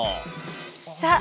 さあ